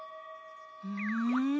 うん。